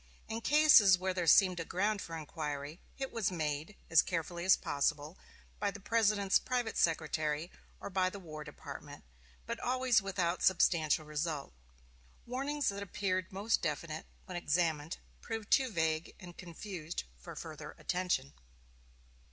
In cases where there seemed a ground for inquiry, it was made, as carefully as possible, by the President's private secretary, or by the War Department; but always without substantial result. Warnings that appeared most definite, when examined, proved too vague and confused for further attention.